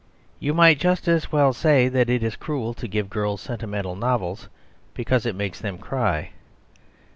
You might just as well say that it is cruel to give girls sentimental novels because it makes them cry.